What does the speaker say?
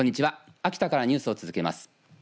秋田からニュースを続けます。